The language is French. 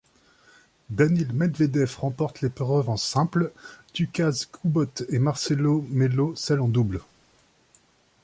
Daniil Medvedev remporte l'épreuve en simple, Łukasz Kubot et Marcelo Melo celle en double.